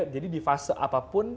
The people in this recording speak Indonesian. jadi di fase apapun